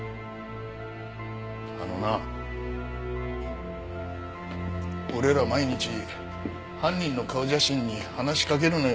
あのな俺らは毎日犯人の顔写真に話しかけるのよ。